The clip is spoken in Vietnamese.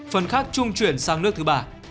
phần khác trung chuyển sang nước thứ ba